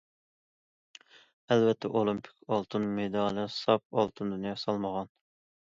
ئەلۋەتتە، ئولىمپىك ئالتۇن مېدالى ساپ ئالتۇندىن ياسالمىغان.